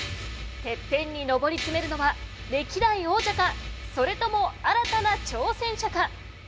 ＴＥＰＰＥＮに上り詰めるのは歴代王者かそれとも新たな挑戦者か。